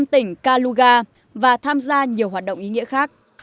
tỉnh kaluga và tham gia nhiều hoạt động ý nghĩa khác